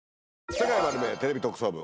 『世界まる見え！テレビ特捜部』